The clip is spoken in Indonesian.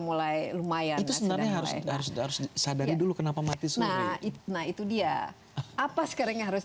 mulai lumayan itu sebenarnya harus harusnya dulu kenapa mati nah itu dia apa sekarang harus